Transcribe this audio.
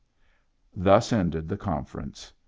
Thus ended the conference.